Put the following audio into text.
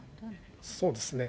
そうですね。